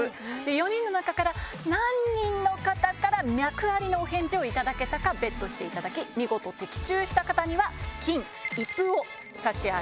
４人の中から何人の方から脈ありのお返事を頂けたかＢＥＴしていただき見事的中した方には金一封を差し上げます。